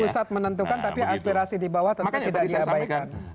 pusat menentukan tapi aspirasi di bawah tentu tidak diabaikan